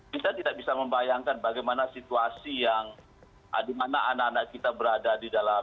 kita tidak bisa membayangkan bagaimana situasi yang dimana anak anak kita berada di dalam